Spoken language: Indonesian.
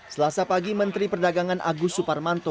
selasa pagi menteri perdagangan agus suparmanto